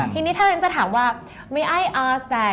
ทีนี้ท่านจะถามว่า